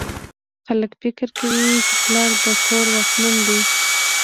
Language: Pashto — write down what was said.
خلک فکر کوي چې پلار د کور واکمن دی